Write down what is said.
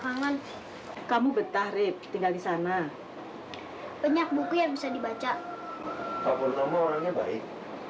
kangen kamu betah rib tinggal di sana banyak buku yang bisa dibaca tak bertemu orangnya baik